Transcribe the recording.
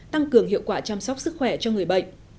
tăng cường hiệu quả chăm sóc sức khỏe cho người bệnh